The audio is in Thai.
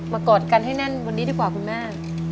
กอดกันให้แน่นวันนี้ดีกว่าคุณแม่